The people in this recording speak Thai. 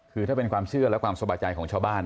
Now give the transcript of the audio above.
คือถ้าเป็นความเชื่อและความสบายใจของชาวบ้าน